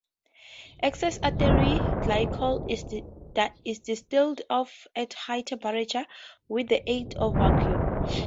Excess ethylene glycol is distilled off at higher temperature with the aid of vacuum.